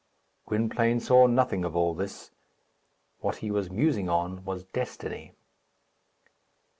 Gwynplaine saw nothing of all this. What he was musing on was destiny.